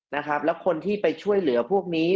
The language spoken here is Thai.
นะครับแล้วคนที่ไปช่วยเหลือพวกนี้